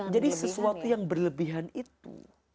jadi sesuatu yang berlebihan itu